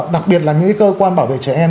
đặc biệt là những cơ quan bảo vệ trẻ em